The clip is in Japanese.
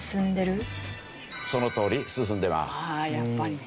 そのとおり進んでます。